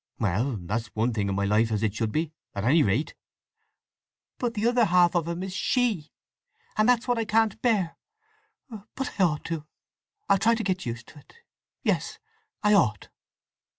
"Well: that's one thing in my life as it should be, at any rate." "But the other half of him is—she! And that's what I can't bear! But I ought to—I'll try to get used to it; yes, I ought!"